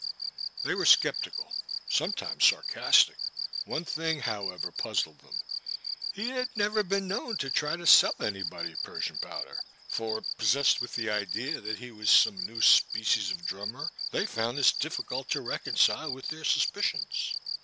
They were skeptical — ^sometimes sarcastic. One thing, however, puzzled them; he had never been known to try to sell anybody Persian Powder, for, possessed with the idea that he was some new species of drummer, they found this difficult to reconcile with their suspicions.